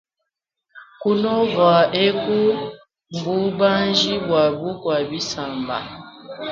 Kunova eku mbubanji bwa kukwa bisamba.